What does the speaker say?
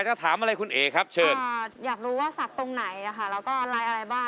อยากรู้ว่าสักตรงไหนแล้วก็รอยอะไรบ้าง